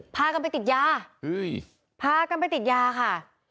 พากันไปติดยาพากันไปติดยาค่ะ